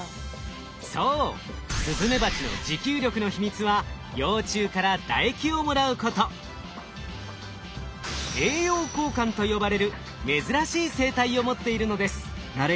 そうスズメバチの持久力の秘密は「栄養交換」と呼ばれる珍しい生態を持っているのです。